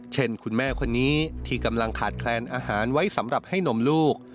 คุณแม่คนนี้ที่กำลังขาดแคลนอาหารไว้สำหรับให้นมลูก